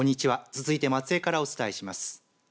続いて松江からお伝えします。